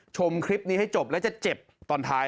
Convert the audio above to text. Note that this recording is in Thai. ชมคลิปนี้ให้จบแล้วจะเจ็บตอนท้าย